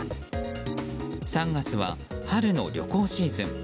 ３月は春の旅行シーズン。